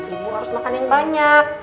ibu harus makan yang banyak